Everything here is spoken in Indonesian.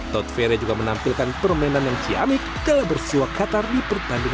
tot fere juga menampilkan permainan yang sangat baik di dalam skuad garuda nusantara